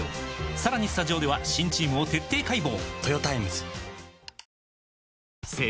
さらにスタジオでは新チームを徹底解剖！